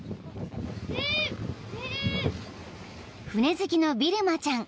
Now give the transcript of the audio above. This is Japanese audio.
［船好きのビルマちゃん］